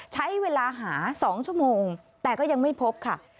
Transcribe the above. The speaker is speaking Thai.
ใช้เวลาหา๒ชั่วโมงแต่ก็ยังไม่พบค่ะ